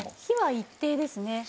火は一定ですね。